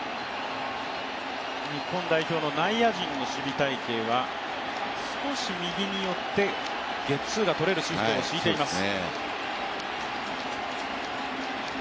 日本代表の内野陣の守備隊形は少し右に寄ってゲッツーがとれるシフトを敷いています。